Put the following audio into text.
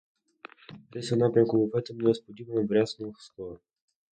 Десь у напрямку буфету несподівано брязнуло скло.